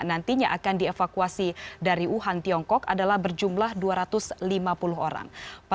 nantinya akan dievakuasi dari wuhan tiongkok adalah berjumlah dua ratus lima puluh orang